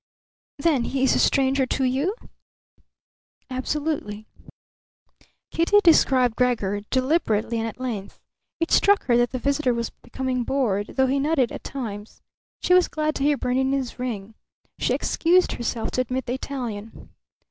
"Then he is a stranger to you?" "Absolutely." Kitty described Gregor deliberately and at length. It struck her that the visitor was becoming bored, though he nodded at times. She was glad to hear Bernini's ring. She excused herself to admit the Italian.